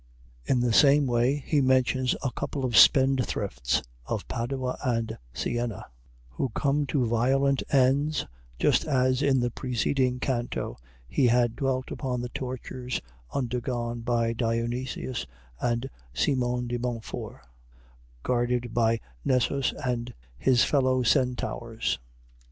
In the same way he mentions a couple of spendthrifts of Padua and Siena, who come to violent ends, just as in the preceding canto he had dwelt upon the tortures undergone by Dionysius and Simon de Montfort, guarded by Nessus and his fellow centaurs.